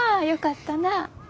よかったな。